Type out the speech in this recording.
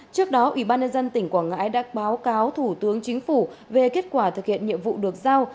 trước đó ủy ban nhân dân tỉnh quảng ngãi đã báo cáo thủ tướng chính phủ về kết quả thực hiện nhiệm vụ được giao